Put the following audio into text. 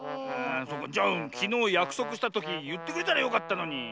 じゃあきのうやくそくしたときいってくれたらよかったのに。